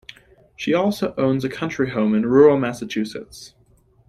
She also owns a country home in rural Massachusetts.